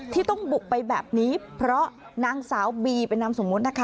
ที่ต้องบุกไปแบบนี้เพราะนางสาวบีเป็นนามสมมุตินะคะ